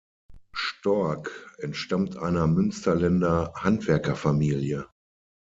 Storck entstammt einer Münsterländer Handwerkerfamilie.